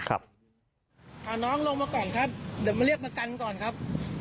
เอาน้องลงมาก่อนครับเดี๋ยวมาเรียกมากันก่อนครับ